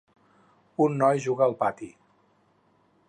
Un noi juga al pati.